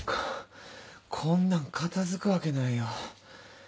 こんなん片付くわけないよ。